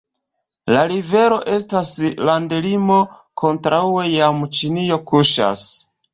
La rivero estas landlimo, kontraŭe jam Ĉinio kuŝas.